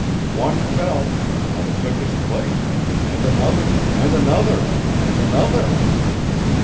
One fell; another took his place; and another, and another, and another.